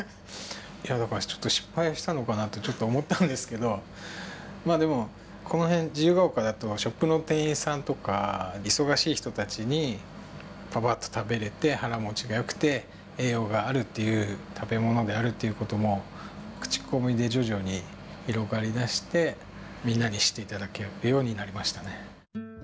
いやだからちょっと失敗したのかなとちょっと思ったんですけどまあでもこの辺自由が丘だとショップの店員さんとか忙しい人たちにパパッと食べれて腹もちがよくて栄養があるっていう食べ物であるっていうことも口コミで徐々に広がりだしてみんなに知って頂けるようになりましたね。